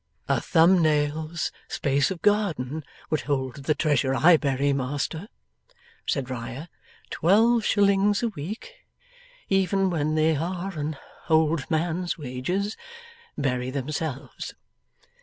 'A thumbnail's space of garden would hold the treasure I bury, master,' said Riah. 'Twelve shillings a week, even when they are an old man's wages, bury themselves.